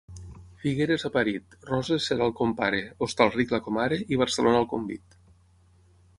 Figueres ha parit, Roses serà el compare, Hostalric la comare i Barcelona el convit.